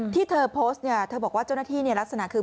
ที่เธอโพสต์เนี่ยเธอบอกว่าเจ้าหน้าที่ลักษณะคือ